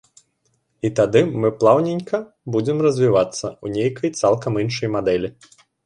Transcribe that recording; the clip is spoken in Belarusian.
І тады мы плаўненька будзем развівацца ў нейкай цалкам іншай мадэлі.